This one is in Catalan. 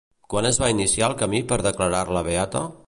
Quan es va iniciar el camí per declarar-la beata?